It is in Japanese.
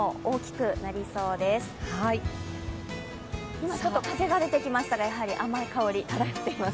今、ちょっと風が出てきましたら甘い香りが漂ってきています。